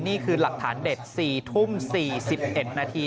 นี่คือหลักฐานเด็ด๔ทุ่ม๔๑นาที